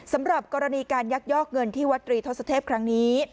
สำหรับกรณีการยักยอกเงินที่วัตรีทศเทพครั้งนี้